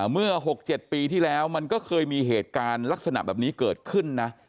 เมื่อ๖๗ปีที่แล้วมันก็เคยมีเหตุการณ์ลักษณะแบบนี้เกิดขึ้นนะ